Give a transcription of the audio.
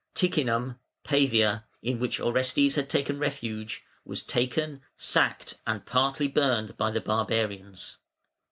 Ticinum (Pavia), in which Orestes had taken refuge, was taken, sacked, and partly burnt by the barbarians.